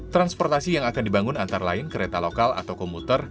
transportasi yang akan dibangun antara lain kereta lokal atau komuter